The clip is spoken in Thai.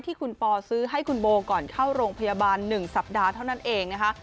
ที่คุณปอซื้อให้คุณโบก่อนเข้าโรงพยาบาล๑สัปดาห์เท่านั้นเองนะคะ